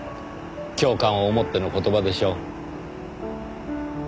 教官を思っての言葉でしょう。